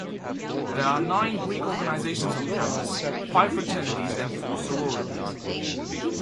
There are nine Greek organizations on campus, five fraternities and four sororities.